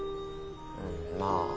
うんまあ。